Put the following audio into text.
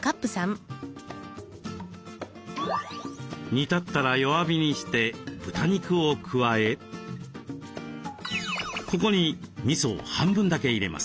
煮立ったら弱火にして豚肉を加えここにみそを半分だけ入れます。